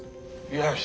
よし。